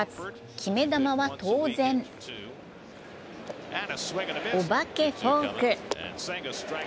決め球は当然、お化けフォーク。